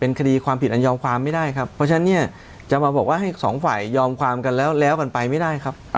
คดีความผิดอันยอมความไม่ได้ครับเพราะฉะนั้นเนี่ยจะมาบอกว่าให้สองฝ่ายยอมความกันแล้วแล้วกันไปไม่ได้ครับ